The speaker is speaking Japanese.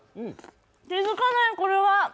気づかないこれは！